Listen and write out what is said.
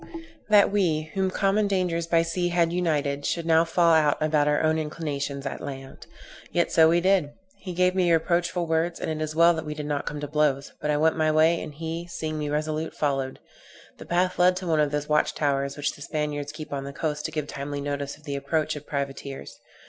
That we, whom common dangers by sea had united, should now fall out about our own inclinations at land. Yet so we did. He gave me reproachful words; and it is well that we did not come to blows, but I went my way, and he, seeing me resolute, followed. The path led to one of those watchtowers which the Spaniards keep on the coast to give timely notice of the approach of privateers.